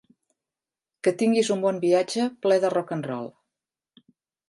Que tinguis un bon viatge ple de rock’n’roll!